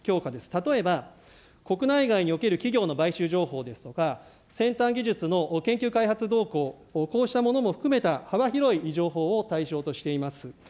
例えば、国内外における企業の買収情報ですとか、先端技術の研究開発動向、こうしたものも含めた幅広い情報を対象としています。